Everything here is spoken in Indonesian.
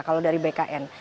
kalau dari bkn